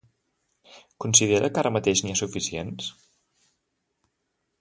Considera que ara mateix n'hi ha suficients?